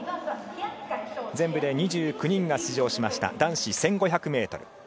全部で２９人が出場した男子１５００ｍ。